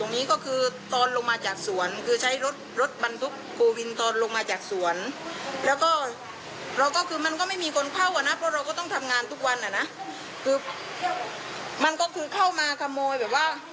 มันก็คือเข้ามาขโมยแบบว่า